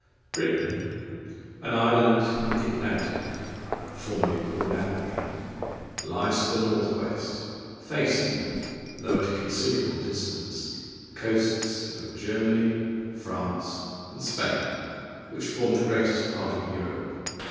Britain, an island in the Atlantic, formerly called Albion, lies to the north west, facing, though at a considerable distance, the coasts of Germany, France, and Spain, which form the greatest part of Europe.